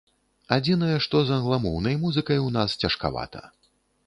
Адзінае, што з англамоўнай музыкай у нас цяжкавата.